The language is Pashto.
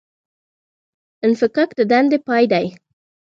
انفکاک د دندې پای دی